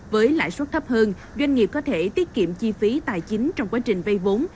với lãi suất thấp hơn doanh nghiệp có thể tiết kiệm chi phí tài chính trong quá trình vay vốn